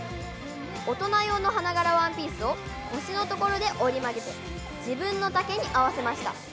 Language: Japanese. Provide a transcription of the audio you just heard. オトナ用の花柄ワンピースを腰のところで折り曲げて自分の丈に合わせました」。